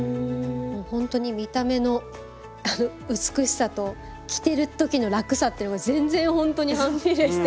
ほんとに見た目の美しさと着てる時の楽さっていうのが全然ほんとに反比例して。